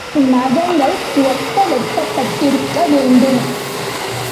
நகங்கள் ஒட்ட வெட்டப்பட்டிருக்க வேண்டும்.